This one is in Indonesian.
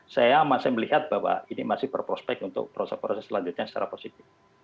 saya masih melihat bahwa ini masih berprospek untuk proses proses selanjutnya secara positif